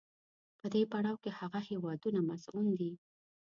په دې پړاو کې هغه هېوادونه مصون دي.